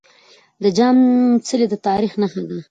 د جام څلی د تاريخ نښه ده.